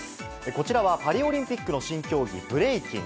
こちらはパリオリンピックの新競技、ブレイキン。